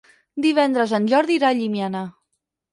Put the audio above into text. Divendres en Jordi irà a Llimiana.